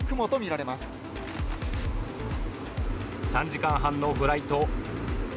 ３時間半のフライト。